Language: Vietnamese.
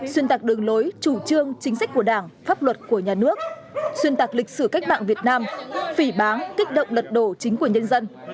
xuyên tạc đường lối chủ trương chính sách của đảng pháp luật của nhà nước xuyên tạc lịch sử cách mạng việt nam phỉ bán kích động lật đổ chính quyền nhân dân